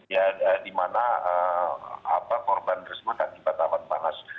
ya dimana korban tersebut tak tiba tiba panas